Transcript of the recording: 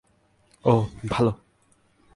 ওহ, ভালো।